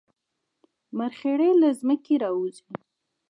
مرخیړي له ځمکې راوځي